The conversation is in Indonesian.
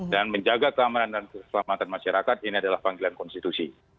dan menjaga keamanan dan keselamatan masyarakat ini adalah panggilan konstitusi